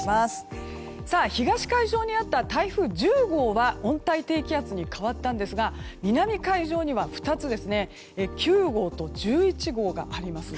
東海上にあった台風１０号は温帯低気圧に変わったんですが南海上には２つ９号と１１号があります。